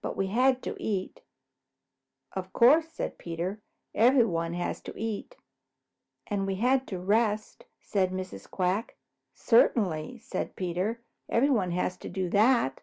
But we had to eat." "Of course," said Peter. "Everybody has to eat." "And we had to rest," said Mrs. Quack. "Certainly," said Peter. "Everybody has to do that."